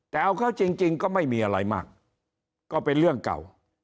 แต่เอาเขาจริงก็ไม่มีอะไรมากก็เป็นเรื่องเก่า